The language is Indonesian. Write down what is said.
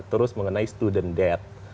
terus mengenai student debt